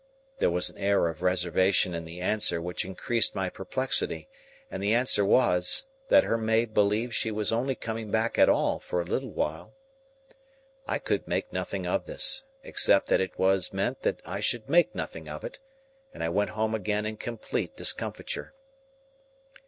There was an air of reservation in the answer which increased my perplexity, and the answer was, that her maid believed she was only coming back at all for a little while. I could make nothing of this, except that it was meant that I should make nothing of it, and I went home again in complete discomfiture.